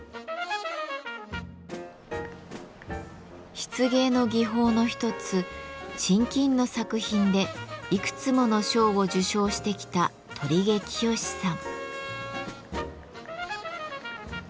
漆芸の技法の一つ沈金の作品でいくつもの賞を受賞してきた鳥毛清さん。